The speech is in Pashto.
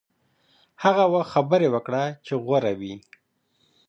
هغه وخت خبرې وکړه چې غوره وي.